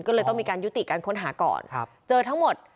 ก็เลยต้องมีการยุติการค้นหาก่อนเจอทั้งหมด